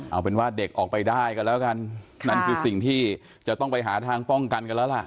เอาเป็นว่าเด็กออกไปได้กันแล้วกันนั่นคือสิ่งที่จะต้องไปหาทางป้องกันกันแล้วล่ะ